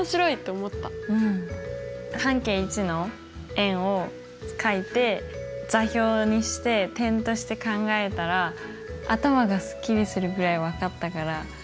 半径１の円をかいて座標にして点として考えたら頭がすっきりするぐらい分かったから楽しかった。